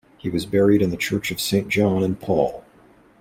He was buried in the Church of Saint John and Paul.